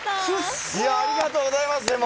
ありがとうございますでも。